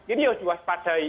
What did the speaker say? ini harus diwaspadai